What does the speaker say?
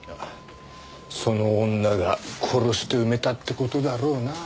その女が殺して埋めたって事だろうな。